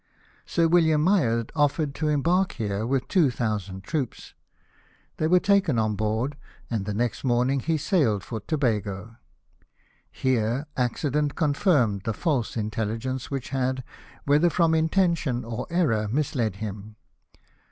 Sir William Myers offered to embark here with two thousand troops. They'^were taken on board, and the next morning he sailed for Tobago. Here accident confirmed the false intelli gence which had, whether from intention or error, misled him.